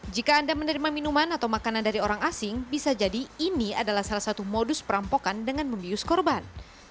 jika anda menerima minuman atau makanan dari orang asing bisa jadi ini adalah salah satu modus perampokan dengan membius korban